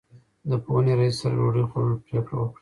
د پوهنې رئیس سره ډوډۍ خوړلو پرېکړه وکړه.